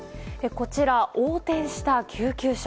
こちら、横転した救急車。